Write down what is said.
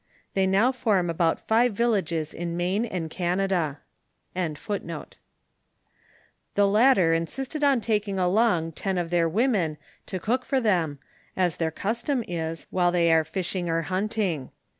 They now form about five villages in Maine and Canada. H 166 NABRATIVB OF FATHER MEMBBK. iif: :;f^ r"' I ;■ i; eisted on taking along ten of their women to cook for them, as their custom is, while they were fishing or hunting.